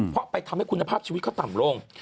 พอไปทำให้คุณภาพชีวิตก็ต่ำลง